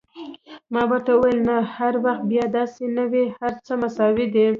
ما ورته وویل: نه، هر وخت بیا داسې نه وي، هر څه مساوي دي.